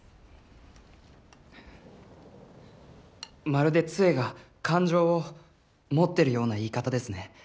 まるで杖が感情を持ってるような言い方ですね